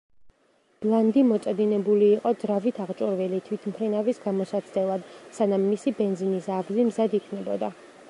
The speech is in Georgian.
ბლანდი მოწადინებული იყო ძრავით აღჭურვილი თვითმფრინავის გამოსაცდელად, სანამ მისი ბენზინის ავზი მზად იქნებოდა.